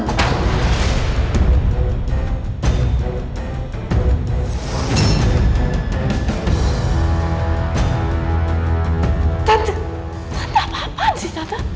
tante tante apaan sih tante